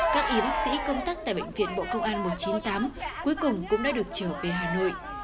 các y bác sĩ công tác tại bệnh viện bộ công an một trăm chín mươi tám cuối cùng cũng đã được trở về hà nội